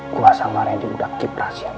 kua sama andi sudah mengejut rahasiamu